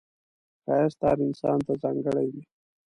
ښایست هر انسان ته ځانګړی وي